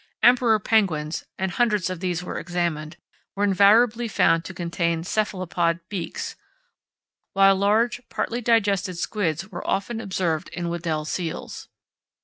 Emperor penguins (and hundreds of these were examined) were invariably found to contain Cephalopod "beaks," while large, partly digested squids were often observed in Weddell seals.